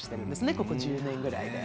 ここ１０年ぐらい。